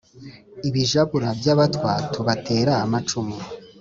Ibijabura by'abatwa tubatera amacumu